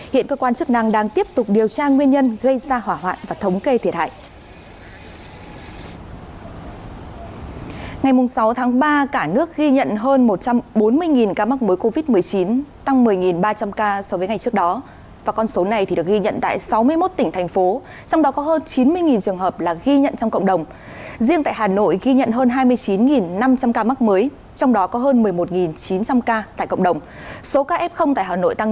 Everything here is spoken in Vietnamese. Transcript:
hiện cơ quan chức năng đang tiếp tục điều tra nguyên nhân gây ra hỏa hoạn và thống kê thiệt hại